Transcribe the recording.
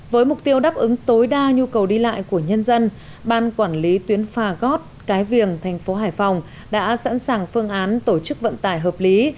với mục tiêu đáp ứng tối đa nhu cầu đi lại của nhân dân ban quản lý tuyến phà gót cái viềng thành phố hải phòng đã sẵn sàng phương án tổ chức vận tải hợp lý